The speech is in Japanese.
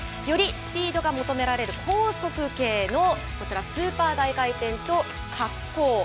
よりスピードが求められる高速系のこちらスーパー大回転と滑降。